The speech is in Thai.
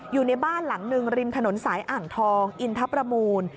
อยู่ในบ้านหลังหนึ่งริมถนนสายอ่างทองอินทรประมูล